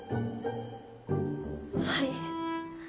はい。